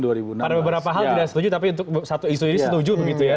ada beberapa hal tidak setuju tapi untuk satu isu ini setuju begitu ya